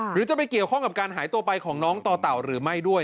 หรือจะไปเกี่ยวข้องกับการหายตัวไปของน้องต่อเต่าหรือไม่ด้วย